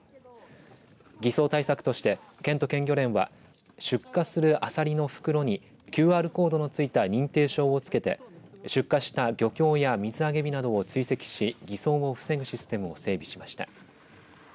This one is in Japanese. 偽装対策として県と県漁連は出荷するアサリの袋にＱＲコードのついた認定証をつけて出荷した漁協や水揚げ日などを追跡し偽装を防ぐシステムを整備しました。